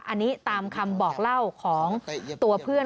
อันนี้ตามคำบอกเล่าของตัวเพื่อน